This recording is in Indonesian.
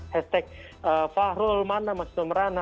hashtag fahrulmana masih somerana